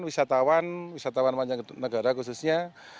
wisatawan wisatawan mancanegara khususnya